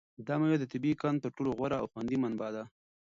دا مېوه د طبیعي قند تر ټولو غوره او خوندي منبع ده.